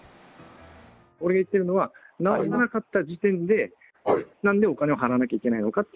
俺が言っているのは、直らなかった時点で、なんでお金を払わなきゃいけないのかって。